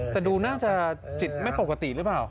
แต่ดูน่าจะจิตไม่ปกติหรือเปล่า